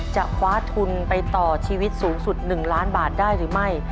คว้าทุนไปต่อชีวิตสูงสุด๑ล้านบาทได้หรือไม่